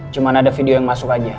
cuma ada video yang masuk aja